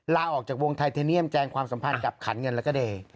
ลาออกจากวงไทเทเนียมแจงความสัมพันธ์กับขันเงินแล้วก็เดย์